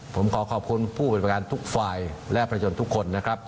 ผมขอขอบคุณผู้เป็นประการทุกฝ่ายและประชนทุกคนนะครับ